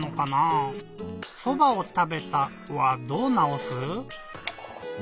「そばをたべた」はどうなおす？